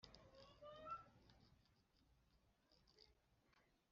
Benshi bavuga amagambo ashyeshya